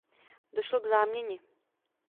Došlo k záměně.